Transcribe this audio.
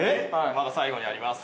まだ最後にあります